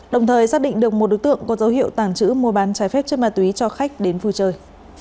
đồng thời xác định được một đối tượng có dấu hiệu tàng trữ mua bán trái phép chất ma túy cho khách đến vui chơi